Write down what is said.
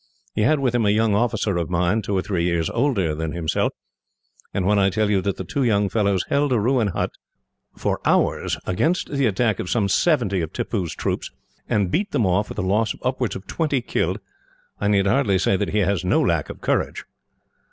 He had with him a young officer of mine, two or three years older than himself; and when I tell you that the two young fellows held a ruined hut, for hours, against the attack of some seventy of Tippoo's troops, and beat them off with a loss of upwards of twenty killed, I need hardly say that he has no lack of courage."